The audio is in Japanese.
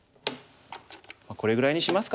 これぐらいにしますかね。